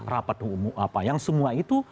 rapat hukum apa yang semua itu